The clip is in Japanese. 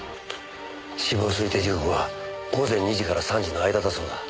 死亡推定時刻は午前２時から３時の間だそうだ。